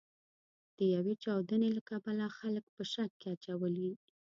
د یوې چاودنې له کبله خلک په شک کې اچولي.